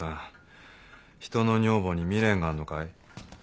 人の女房に未練があんのかい？